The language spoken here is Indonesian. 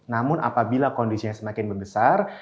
namun apabila kondisinya semakin membesar